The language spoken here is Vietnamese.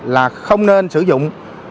là không nên sử dụng